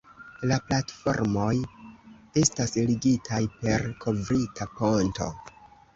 La platformoj estas ligitaj per kovrita ponto.